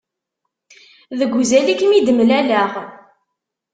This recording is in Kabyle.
Deg uzal i kem-id-mlaleɣ.